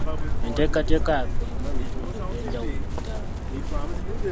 Enteekateeka yaffe erimu ebitundu eby'enjawulo bitaano.